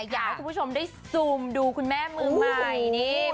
อยากให้คุณผู้ชมได้ซูมดูคุณแม่มือใหม่นี่